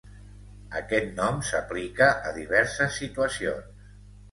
Aquest nom s’aplica a diverses situacions.